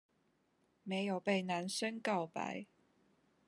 沒有被男生告白